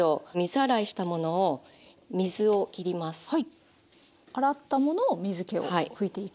洗ったものを水けを拭いていく。